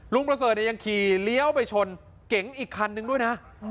ประเสริฐยังขี่เลี้ยวไปชนเก๋งอีกคันนึงด้วยนะ